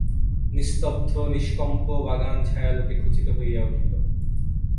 নিস্তব্ধ নিষ্কম্প বাগান ছায়ালোকে খচিত হইয়া উঠিল।